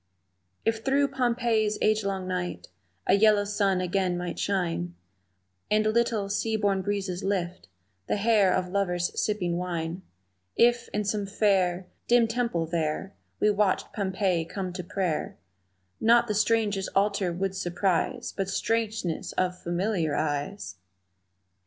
If through Pompeii's agelong night A yellow sun again might shine, And little, sea born breezes lift The hair of lovers sipping wine, If, in some fair, Dim temple there, We watched Pompeii come to prayer Not the strange altar would surprise But strangeness of familiar eyes!